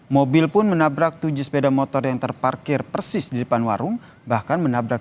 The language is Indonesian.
mobil pun menabrak tujuh sepeda motor yang terparkir persis di depan warung bahkan menabrak